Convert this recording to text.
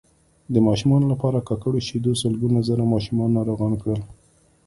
د ماشومانو لپاره ککړو شیدو سلګونه زره ماشومان ناروغان کړل